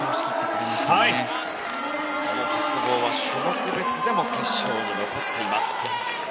この鉄棒は種目別でも決勝に残っています。